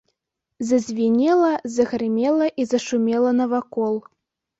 Зазвінела, загрымела і зашумела навакол.